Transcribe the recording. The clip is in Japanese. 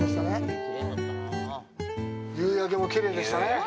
夕焼けもきれいでしたね。